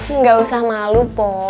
enggak usah malu po